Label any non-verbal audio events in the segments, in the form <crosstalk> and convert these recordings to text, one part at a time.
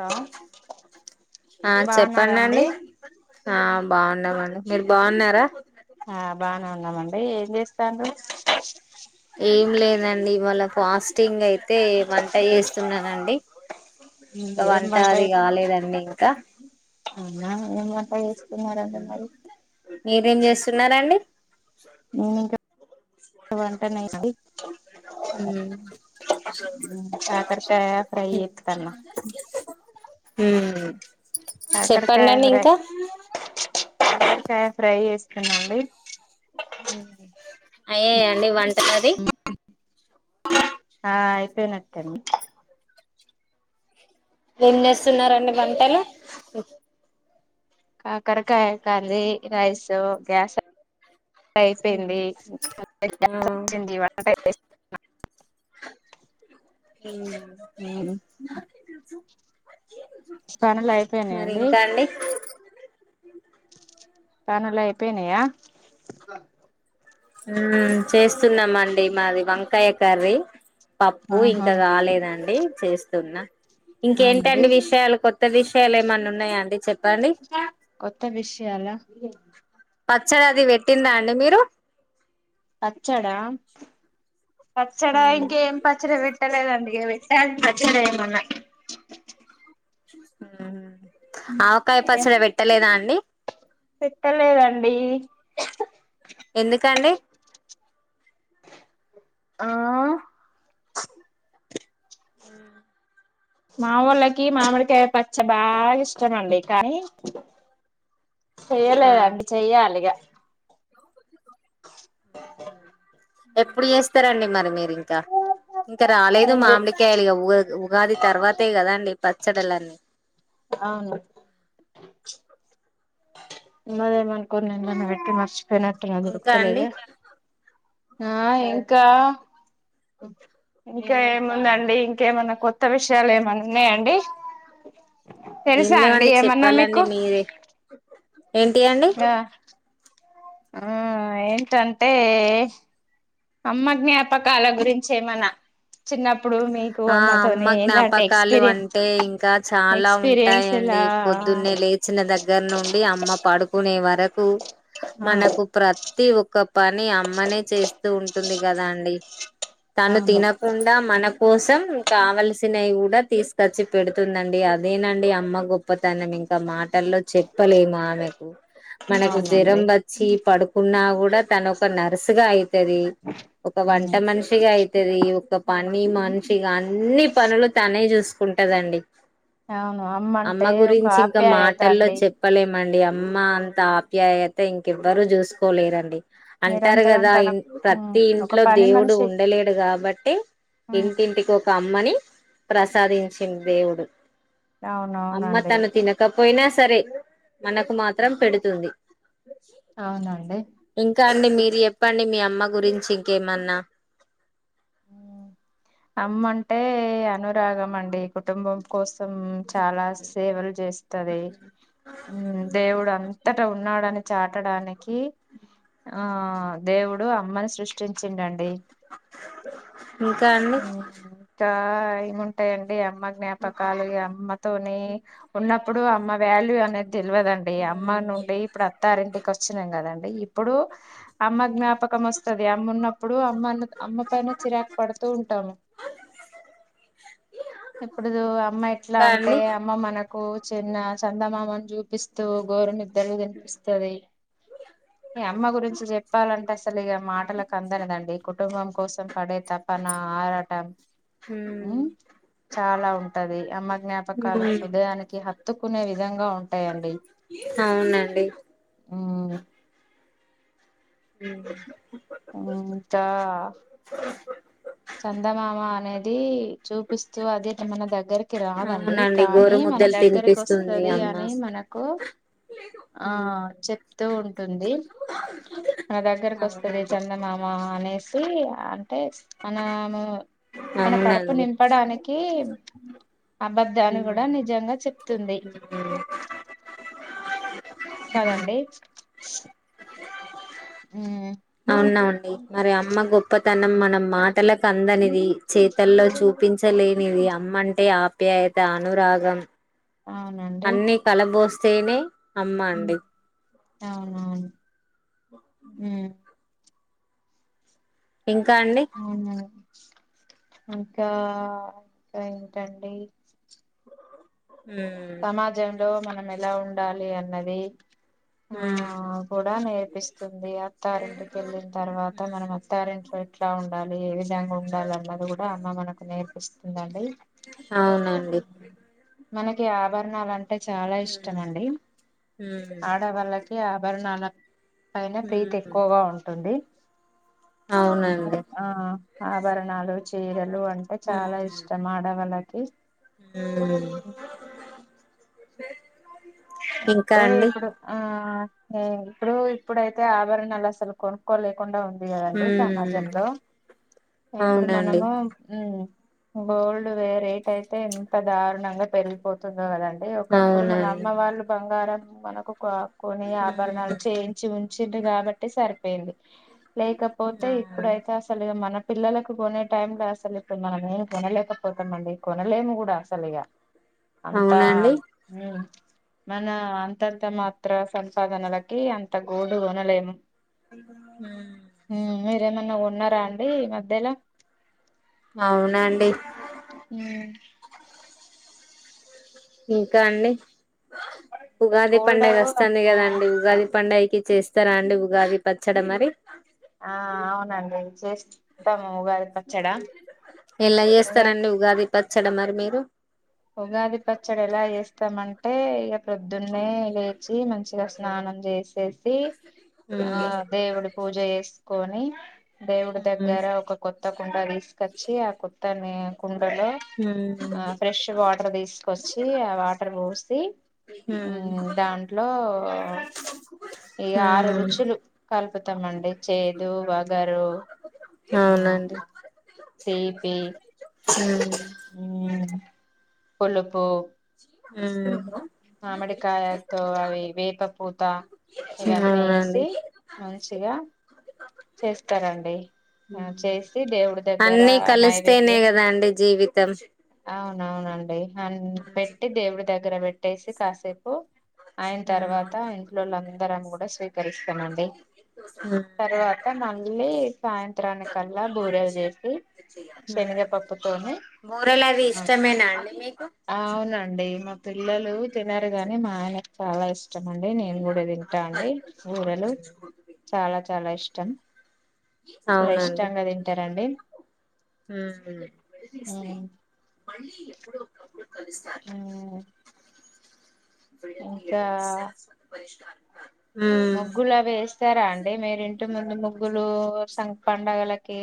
Hello ఆ చెప్పడి బాగున్నారండి అండి ఆ బాగుండమండి మీరు బాగున్నారా ఆ బానే ఉందమండి ఏం చేస్త రాను ఏం లేదండి ఇ వాళ్ళ ఫాస్టింగ్ అయితే ఏంట చేస్తున్నానండి ఇంకా వంట అది కాలేదండి ఇంకా అవునా ఏమంతా చేస్తున్నంటే మరి మీరేం చేస్తున్నారండి నేనింకా వంట <unintelligible> కాకరకాయ ఫ్రై చేతన్న మ్మ్ కాకరకాయ చెప్పడండి ఫ్రై ఇంకా కాకరకాయ ఫ్రై చేసుకున్నాండి. అయ్యాయా అండి వంట అది ఆ <unintelligible> ఎం చేస్తున్నారండి వంటలు కాకరకాయ కర్రీ రైస్ గ్యాస్ అయిపోయింది ఆ <unintelligible> మ్మ్ మ్ పనులు అయిపోయినాయ మరి అండి. ఇంకా పనులయిపొయినాయ మ్ చేస్తున్నామండి మాది వంకాయ కర్రి పప్పు ఆహా ఇంకా కాలేదండి చే తున్నా అవునండి ఇంకేంటండి విషయాలు కొత్త విషయాలు ఏమన్నా ఉన్నాయా అండి చెప్పండి. కొత్త విషయాల పచ్చడి అది పెట్టిండ్రా అండి మీరు పచ్చడా పచ్చడా మ్మ్ ఇంకేం పచ్చడి పెట్టలేదండి ఇగ <unintelligible> పచ్చడేయమన్నా మ్ ఆవకాయ ఏ పచ్చడి పెట్టలేదా అండి పెట్టలేదండి ఎందుకండి ఆ మ్ మావోళ్ళకి మామిడికి పచ్చ బాగా ఇష్టమండి కానీ ఆ చెయలేదండి చెయ్యాలిగా ఎప్పుడు చేస్తారండి మ మీరి ఇంకా ఇంకా రాలేదు నేను చె మామిడికాయలు లిగ ఉ ఉగాది తర్వాతే కదండి ప చడలని అవును మద మనకు ఎంద న్న పెట్టి మర్చి రననా త ఇంకా దొరుకత లే అండి అగ ఆ ఇంకా ఇంకా ఏముందండి ఇంకేమన్నా కొత్త విషయాలు ఏమన్నా ఉన్నాయ అండి ఏం లేవండి ఏమన్నా చెప్పాలండి మీకు మీరే ఏంటి అండి ఆ ఆ ఏంటంటే అమ్మ జ్ఞాపకాల గురించి ఏమన్న చిన్నప్పు ఆ అమ్మ జ్ఞాపకాలు ఎక్స్పీరియన్ అంటే ఇంకా చాలా ఎక్స్పీరియన్స్ ఉంటాయండి ఇలా పొద్దున్నే లేచిన దగ్గర నుండి అమ్మ పడుకునే వరకు ఆ మనకు ప్రతి ఒక్క ఒక పని అమ్మనే చేస్తు ఉంటుంది కదా అండి తను అవును తినకుండా మనకు కోసం కావల్సినవి కూడా తీసుకోచ్చి పెడుతుందండి అదేనండి అమ్మ గొప్పతనం ఇంకా మాటల్లో చెప్పలేము ఆమెకు మనకు జ్వరం అవునండి వచ్చి పడుకున్నా కూడా తను ఒక నర్స్ గా అయి రి ఒక వంట ఉమ్ మనిషిగా అయితది ఒక పని మాని షిగాని అన్ని పనులు తనే చూస్ ఉంటదండి అవును అమ్మంటే ఒక ఆప్యాయత అండి మ్మండి అమ్మ అంత ఆప్యాయత ఇంకెవ్వరు చూసుకోలేరండి అంటారు నిరంతరం కదా తన ఉమ్ ప్రతి ఒక ఇంట్లో పని దేవుడు మనిషి ఉండలేడు కాబట్టి ఉమ్ ఇంటికి ఒక అమ్మని ప్రసాదించిందిడు దేవుడు అవునవునండి అమ్మతను తినక పోయిన సరే మనకు మాత్రం పెడుతుంది అవునండి ఇంకా అండి మీరు చెప్పండి మీ అమ్మ గురించి ఇంకేమన్నా అమ్మంటే అనురాగం అండి కుటుంబం కో సం చాలా సేవలు చేస్తది దేవుడు అంతటా ఉన్నాడని చాట్ ఆట్టడానికి ఆ దేవుడు అమ్మని సృష్టించిండండి <unintelligible> ఇంకా అండి ఆ ఏముంటాయండి అంటే అమ్మ జ్ఞాపకలు అమ్మతో అని ఉన్నప్పుడు అమ్మ వాల్యూ అనేది తెలివదండి అమ్మ మ్మ్ నుండి ఇప్పుడు అత్తారింటికి వచ్చినం కదా. ఇప్పుడు అమ్మ జ్ఞాపకం వస్తుది అమ్మ ఉన్నప్పుడు అమ్మ అమ్మ పైన చిరాకు పడు. టాము ఎప్పుడు అమ్మ ఎట్లా ఇంకా అంటే అండి అమ్మ మనకు హొ చిన్న చందమామని చూపిస్తూ గోరుని ఇద్దర కనిపిస్తుంది అమ్మ గురించి చెప్ప చెప్పాలంటే అసలు ఇక మాటలకు అందలేదండి కుటుంబం కోసం పడే పన ఆరాటం మ్మ్ చాలా ఉంటది అమ్మ జ్ఞాపకాలు మ్మ్ హృదయానికి హత్తు కొనే విధంగా ఉ అవునండి ఆ ఉ <unintelligible> చందమామ అనేది చూపిస్తూ అది మన దగ్గరికి రాదండి అవునండి కానీ గోరు మన ముద్దలు దగ్గరకి తినిపిస్తుంది వస్తుది అమ్మ అని మనకు ఆ చెప్తూ ఉంటుంది మన దగ్గరకి వస్తుది చందమామ అనేసి అంటే మన ము అవునండి అబద్ధాన్ని కూడా నిజంగా చెప్తుంది కదండి <inaudible> ఉ అవునండి మరి అమ్మ గొప్పతనం మనం మాటలకు అందనిది. చేతల్లో చూపించలే నీది అమ్మంటే ఆప్యాయత అనురాగం అవునండి అన్ని కలబోస్ స్తేనే అమ్మా ఉమ్ అండి. అవునవును అ ఇంకా అండి అవునండి ఇంకా ఇంకా ఏంటండి <inaudible> ఉమ్ లో మనం ఎలా ఉండాలి అన్నది ఆ ఉమ్, కూడా నేర్పిస్తుంది అత్తారింటికి వెళ్ళిన తర్వాత మనం అత్తారింట్లో ఎట్లా ఉండాలి ఏ విధంగా ఉండాలి అన్నది కూడా అమ్మ మనకు నేర్పిస్తుందండి అవునండి మానక్ కి ఆభరణాలు అం అంటే చాలా ఇష్టం ఉమ్, అండి ఉమ్, ఆడవాళ్ళకి ఆభరణాల అయినా ప్రీతి ఉమ్, ఎక్కువగా ఉంటుంది ఉమ్ అవునండి ఆ ఆభరణాలు చిరలు అంటే చాలా ఇష్టం ఆడవాళ్ళ కి హమ్ డే లైక్ అయితే ఇప్పుడు ఆ ఉమ్ ఇప్పుడు ఇప్పుడైతే ఆభరణాలు అసలు కొనుక్కోలేకుండా ఉండ కదండి ఉమ్ సమాజంలో ఇప్పుడు అవునండి మనము ఉమ్ గోల్డ్ వే రేట్ అయితే ఇంత దారుణంగా పెరిగిపోతుందో కదం డి ఒకప్పుడు మన అవునండి అమ్మ వాళ్ళు బంగారం మనకు ఒకా కొన్ని ఉమ్ ఆభరణాలు చేయించి ఉ వచ్చిడు కాబట్టి సరిపోయింది లేకపోతే అవును ఇప్పుడైతే అసలు మన పిల్లలకు కొనే టై లో అసలు ఇప్పుడు మనం ఏము కొనలేకపోతాంమండి కొనలేము కూడా అసలు ఇక అంతా అవునండి ఉమ్ మన అంతర్ధ మాత్ర సంపాదనలకి అంత గోడు కొనలేము ఉమ్ మెరు ఎమయినా కోన్ ఉన్నారా అండి ఈ మధ్యలో అవునాండి ఉమ్ ఇంకా అండి ఉగాది గోల్డ్ ఆ పండాగా వస్తుంది కదాండి ఉగాది పండాగా కి చేస్తారా అండి ఉగాది పచ్చడం మరి ఆ అవునండి చేసి త్తమ ఉగాది పచ్చడా ఉగాది పచ్చడ మరి మీరు ఉగాది పచ్చడి ఎలా చేస్తాం అంటే ఇక పొద్దున్నే లేచి మంచిగా స్నానం చేసే సి ఆ ఉమ్ దేవుడు పూజ చేసి కోనీ దేవుడి ఉమ్ దగ్గర ఒక కొత్త కుండా తీసుకొచ్చి ఆ కొత్తని హలో ఉమ్ ఆ ఫ్రెష్ వాటర్ తీసుకొచ్చి ఆ వాటర్ పోసి ఉమ్ దాంట్లో ఇగ ఆరు ఉమ్ రుచులు కల్పుతాం అండి చేదు వగా స్తారు ఆ అవునండి తీపి ఉమ్ కొలుపో ఉమ్ మామిడికాయతో అవి వేప పూత ఇవన్నీ అవునండి ఏసి మంచిగా చేస్తారండి ఆ ఉమ్ చేసి దేవుడి దగ్గర అన్నీ కలిస్తేనే నైవేద్యం కదండి జీవితం అవునూ అవునండి అ పెట్టి దేవుడి దగ్గర పెట్ ట్టేసి కాసేపు అయిన తర్వాత ఇంట్లోలందరం కూడా స్వీ కరిస్తమండి తరువాత మళ్ళీ సాయంత్రానికల్లా బూరెలు చేసి శనగపప్పుతోని బూరెలు అవి అ ఇష్టమేనా అండి మీకు అవునండి మా పె పిల్లలు తినరుగాని మాయనే చాలా ఇష్ ష్టమ అండి నేను కూడా తింటా అండి బూరలు చాలా చాలా ఇష్టం చాలా అవునండి ఇష్టంగా తింటారండి ఉమ్ ఉమ్, మళ్ళీ ఎప్పుడు ఒక కలుసస్థాయి ఉమ్, అపుడే గడ ఇంకా సమస్యకు పరిష్కారం ఉమ్ ముగ్గులు అవి వేస్తారా అండి మీరు ఇంటి ముందు ముగ్గులు సం పండగలకి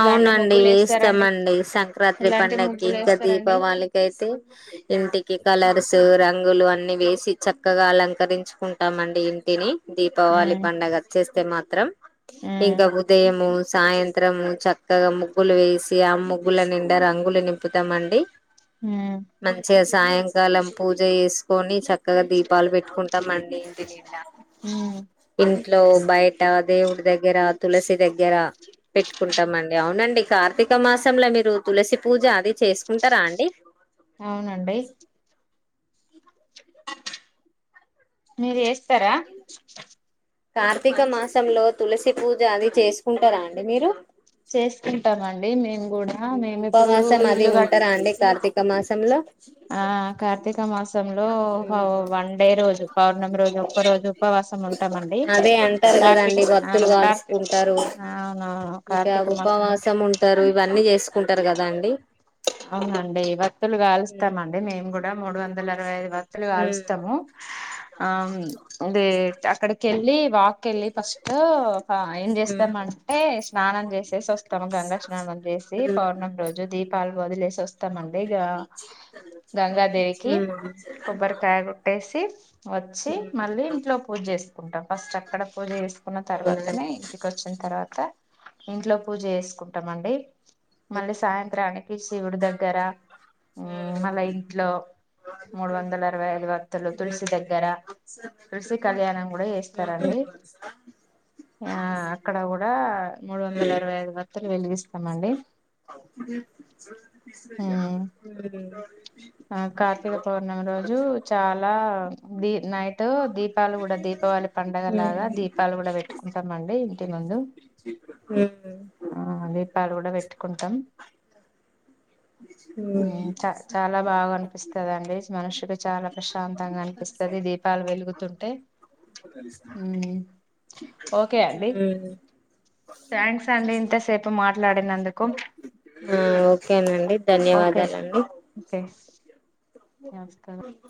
ఎలాంటి ముగ్గులు వేస్తారండి వేస్తామండి సంక్రాంతి ఎలాంటి పండగకి ముగ్గులు ఇంకా వేస్తారండి దీపావళికి అయితే ఇంటికి కలర్స్ రంగులు అన్నీ వేసి చక్కగా అలంకరించుకుంటామండి ఇంటిని దీపావళికి ఉమ్ పండగ వచ్చేస్తే మాత్ త్రం ఉమ్ ఇంకా ఉదయము సాయంత్రం చక్కగా ముగ్గులు వేసి ఆ ముగ్గుల నిండా రంగులు నింపుతామండి ఉమ్ మంచిగా సాయంకాలం పూజ జెస్ కొని చక్కగా దీపాలు పెట్టుకుంటాం మండీ ఇంటిని ఉమ్ ఇం ఇంట్ లో బయట దేవుడి దగ్గర తులసి దగ్గర పెట్టుకుంటామ అండి అవునండి కార్తీక మాసంలో మీరు తులసి పూజ అది చేసుకుంటారా అండి అవునండి మీరు చేస్తరా కార్తీక మాసంలో తులసి పూజ అది చేసుకుంటారా అండి మీరు చేసుకుంటామండి అండి మేము కూడా మేము ఇప్పుడు ఉపవాసం అది ఇల్లు కట్టి ఉంటారా అండి కార్తీక్ మాసంలో ఆ కార్తీక మాసంలో ఉమ్, వన్డే రోజు పౌర్ణమి రోజు ఒక్క రోజు ఉపవాసం ఉంటామండి అదే అంటారు కార్తీక కదండి ఆ భక్తులు కార్తీ కాలుసుకుంటారు అవునవును కార్తీక మాసంలో చేసుకుంటరు కదా అండి అవునండి వత్తులు ఉమ్ కాలుస్తమండి మేము గూడా మూడు వందల అరవై ఐదు వత్తులు కాలుస్తము. ఆ దే అక్కడ కెళ్లి వాక్కెళ్ళి ఫస్ట్ ఏం ఉమ్ ఉమ్ చేస్తామంటే స్నానం చేసేసి వస్తాము గంగా స్నానం చేసి పౌర్ణమి రోజు దీపాలు వదులేసి వస్ తామండి ఇగ గంగాదేవికి కొబ్బరికాయ కొట్టేసి వచ్చి మళ్ళీ ఇంట్లో పూజ చేసుకుంటాం ఫస్ట్ అక్కడ పూజ చేసుకున్న తర్వాతనే ఇంటికి ఒచ్చిన తర్వాత ఇంట్లో పూజ చేసుకుంటామండి మళ్ళీ సాయంత్రాని శివుడు దగ్గర మ్ మళ్ళ ఇంట్లో మూడు వందల అరవై ఐదు వత్తులు తులసి దగ్గర తులసి కళ్యాణం గుడా చేస్తారండి ఆ అక్కడ గూడా మూడు వందల అరవై ఐదు వత్తులు వెలిగిస్ మండి హ్ ఆ కార్తీక పౌర్ణమి రోజు చాలా దీ నైట్ దీపాలు గూడ దీపావళి పండగలాగా దీపాలు గుడా పెట్టుకుంట మండీ ముందు ఆ దీపాలు గూడా బెట్ కుంటాం చ చాలా బాగా అనిపిస్తదండీ. మనసుకి చాలా ప్రశాంతంగా అనిపిస్తది దీపాలు వెలుగుతుంటే. హ్మ ఓకే అండి. ఉమ్ థ్యాంక్స్ అండి ఇంతసేపు మాట్లాడినందుకు. ఆ ఓకేనండి ఓకే ధన్యవాదాలండి. ఓకే <unintelligible>